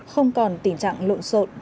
không còn tình trạng lộn xộn